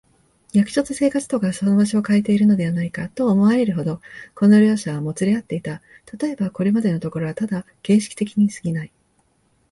役所と生活とがその場所をかえているのではないか、と思われるほど、この両者はもつれ合っていた。たとえば、これまでのところはただ形式的にすぎない、